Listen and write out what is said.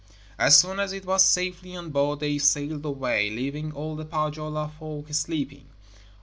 As soon as it was safely on board they sailed away, leaving all the Pohjola folk sleeping.